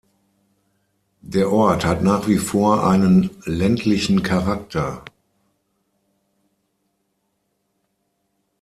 Der Ort hat nach wie vor einen ländlichen Charakter.